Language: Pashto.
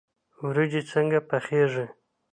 وریجې څنګه پخیږي؟